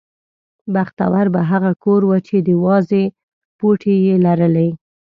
بختور به هغه کور و چې د وازې پوټې یې لرلې.